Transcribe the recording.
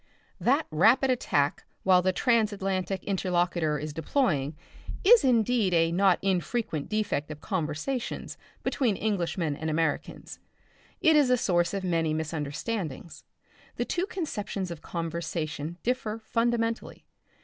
That rapid attack while the transatlantic interlocutor is deploying is indeed a not infrequent defect of conversations between Englishmen and Americans. It is a source of many misunderstandings. The two conceptions of conversation differ fundamentally.